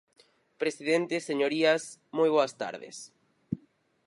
Presidente, señorías, moi boas tardes.